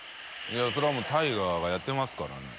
いそれはもうタイガがやってますからね。